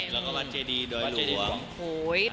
แล้วก็วันเจดีโดยหลวง